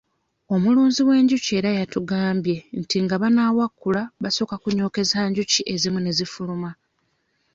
Omulunzi w'enjuki era yatugambye nti nga banaawakula basooka kunyookeza enjuki ezimu ne zifuluma.